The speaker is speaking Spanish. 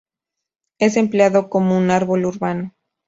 Es empleado como un árbol urbano.